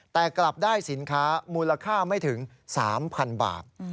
แต่กลับได้สินค้ามูลค่าไม่ถึง๓๐๐๐บาท